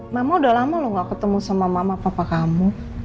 mama udah lama loh gak ketemu sama mama papa kamu